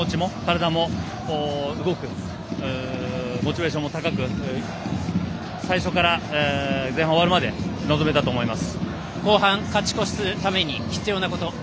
２失点しなかったことで気持ちも体も動くモチベーションも高く最初から前半終わるまで臨めたと思います。